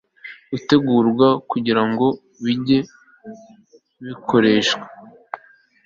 gutegurwa kugira ngo bijye bikoreshwa